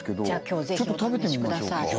じゃあ今日ぜひお試しください